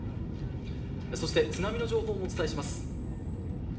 そして津波の情報もお伝えします。